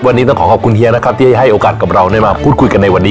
วันนี้ต้องขอขอบคุณเฮียนะครับที่ให้โอกาสกับเราได้มาพูดคุยกันในวันนี้